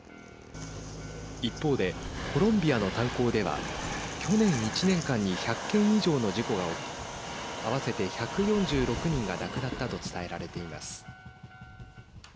一方で、コロンビアの炭鉱では去年１年間に１００件以上の事故が起き合わせて１４６人が亡くなったと伝えられています。